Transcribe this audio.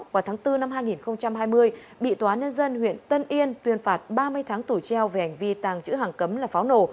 vào tháng bốn năm hai nghìn hai mươi bị tòa nhân dân huyện tân yên tuyên phạt ba mươi tháng tổ treo về hành vi tàng chữ hàng cấm là pháo nổ